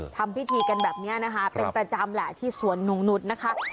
ทำพิธีกันแบบนี้นะคะเป็นประจำแหละที่สวนหนูนุษย์นะคะ